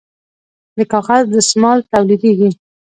د کاغذ دستمال تولیدیږي